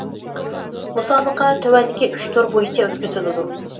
مۇسابىقە تۆۋەندىكى ئۈچ تۈر بويىچە ئۆتكۈزۈلىدۇ.